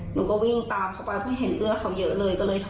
หนูก็วิ่งตามเค้าไปเพื่อเห็นเลือดเค้าเยอะเลย